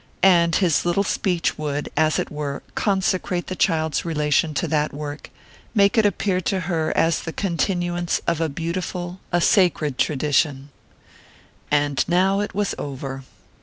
And his little speech would, as it were, consecrate the child's relation to that work, make it appear to her as the continuance of a beautiful, a sacred tradition.... And now it was over.